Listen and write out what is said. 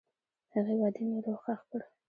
هغې وعدې مې روح ښخ کړ.